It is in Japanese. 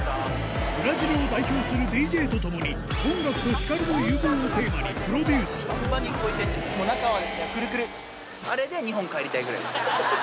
ブラジルを代表するＤＪとともに、音楽と光の融合をテーマにプロデ中はですね、くるくる。